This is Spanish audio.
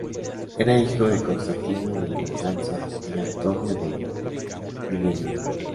Era hijo de Constantino de Braganza y Antonia de Vilhena.